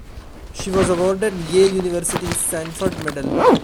She was awarded Yale University's Sanford Medal.